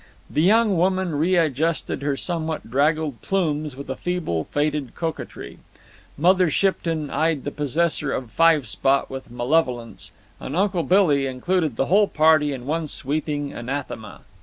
The young woman readjusted her somewhat draggled plumes with a feeble, faded coquetry; Mother Shipton eyed the possessor of "Five Spot" with malevolence, and Uncle Billy included the whole party in one sweeping anathema.